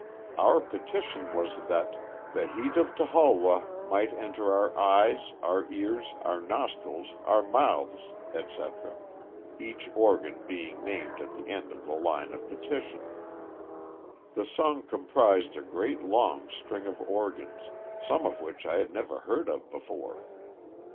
Our petition was that "the heat of Toholwoh might enter our eyes, our ears, our nostrils, our mouths," etc., each organ being named at the end of the line of petition. The song comprised a great long string of organs, some of which I had never heard of before.